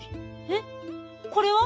えっこれは？